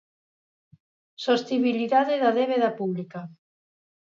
Sostibilidade da débeda pública.